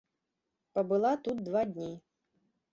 Пабыла тут два дні.